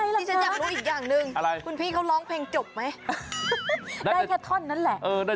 ที่ฉันอยากรู้อีกอย่างหนึ่งคุณพี่เขาร้องเพลงจบไหมแล้วเป็นไงล่ะเกิด